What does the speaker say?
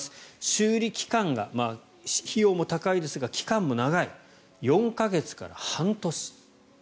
修理期間が費用も高いですが期間も長い４か月から半年。